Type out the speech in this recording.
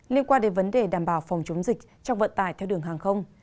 liên quan đến vấn đề đảm bảo phòng chống dịch trong vận tải theo đường hàng không